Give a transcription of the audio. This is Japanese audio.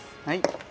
「はい」